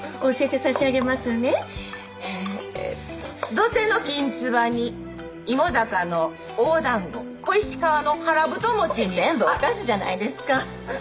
土手のきんつばに芋坂の大だんご小石川の腹太餅に全部お菓子じゃないですかほんまやね